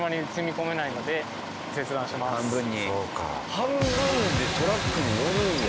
半分でトラックに載るんや？